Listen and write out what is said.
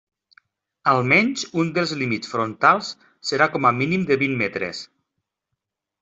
Almenys un dels límits frontals serà com a mínim de vint metres.